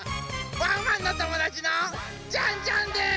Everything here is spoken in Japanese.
ワンワンのともだちのジャンジャンです！